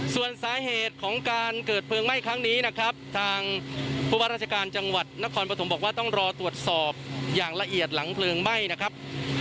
ส่วนสาเหตุของการเกิดเพลิงไหม้ครั้งนี้นะครับทางผู้ว่าราชการจังหวัดนครปฐมบอกว่าต้องรอตรวจสอบอย่างละเอียดหลังเพลิงไหม้นะครับ